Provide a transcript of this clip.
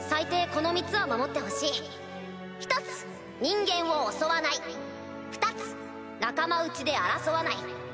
この３つは守ってほし１つ人間を襲わない２つ仲間内で争わない